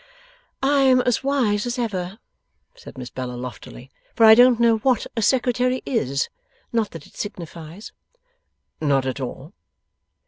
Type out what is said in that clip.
'I am as wise as ever,' said Miss Bella, loftily, 'for I don't know what a Secretary is. Not that it signifies.' 'Not at all.